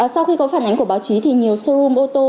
sau khi có phản ánh của báo chí thì nhiều showroom ô tô